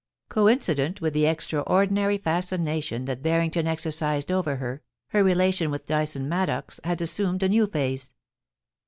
Coincident with the extraordinary fascination that Barring ton exercised over her, her relation with Dyson Maddox had assumed a new phase.